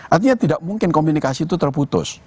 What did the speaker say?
artinya tidak mungkin komunikasi itu terputus